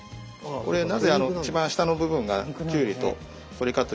これなぜ一番下の部分がきゅうりと鶏かというとですね